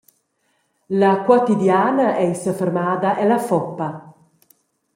La Quotidiana ei sefermada ella Foppa.